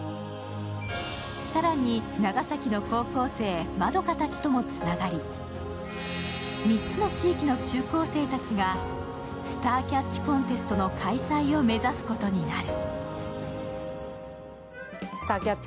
更に、長崎の高校生円華たちともつながり３つの地域の中高生たちがスターキャッチコンテストの開催を目指すことになる。